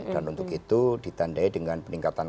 untuk itu ditandai dengan peningkatan